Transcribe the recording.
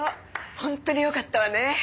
ホントによかったわね。